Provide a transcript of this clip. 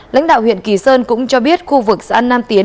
lãnh đạo huyện kỳ sơn cũng cho biết khu vực xã nam tiến